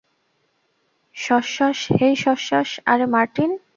শসশস - হেই - শসশস - আরে, মার্টিন।